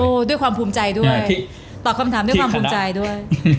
ด้วยความภูมิใจด้วยตอบคำถามด้วยความภูมิใจด้วย